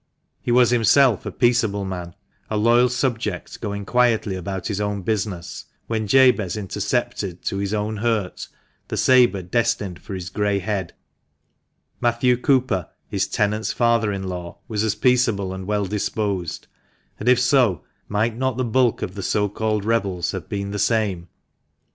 He was himself a peaceable man, a loyal subject, going quietly about his own business when Jabez intercepted, to his own hurt, the sabre destined for his grey head ; Matthew Cooper, his tenant's father in law, was as peaceable and well disposed ; and, if so, might not the bulk of the so called rebels have been the same